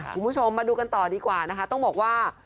คุณผู้ชมมาดูกันต่อดีกว่านะคะต้องบอกว่า